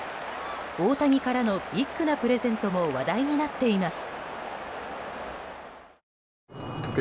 大谷からのビッグなプレゼントも話題になっています。